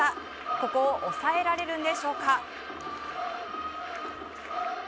ここを抑えられるんでしょうか。